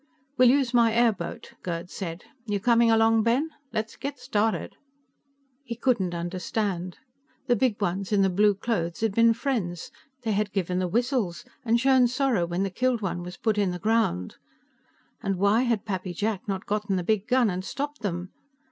"We'll use my airboat," Gerd said. "You coming along, Ben? Let's get started." He couldn't understand. The Big Ones in the blue clothes had been friends; they had given the whistles, and shown sorrow when the killed one was put in the ground. And why had Pappy Jack not gotten the big gun and stopped them.